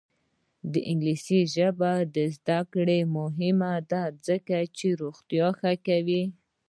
د انګلیسي ژبې زده کړه مهمه ده ځکه چې روغتیا ښه کوي.